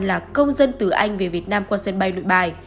là công dân từ anh về việt nam qua sân bay nội bài